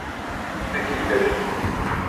Ad k-id-afent.